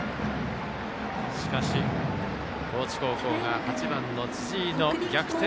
しかし、高知高校が８番の辻井逆転